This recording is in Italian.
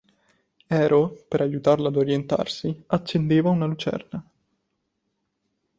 Ero, per aiutarlo ad orientarsi, accendeva una lucerna.